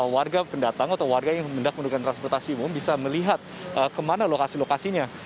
warga pendatang atau warga yang mendak mendukung transportasi bumn bisa melihat kemana lokasi lokasinya